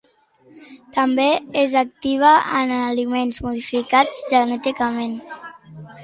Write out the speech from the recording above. També és activa en aliments modificats genèticament.